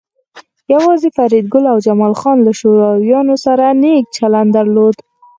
یوازې فریدګل او جمال خان له شورویانو سره نیک چلند درلود